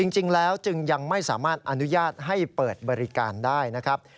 จริงแล้วจึงยังไม่สามารถอนุญาตให้เปิดบริการได้นะครับ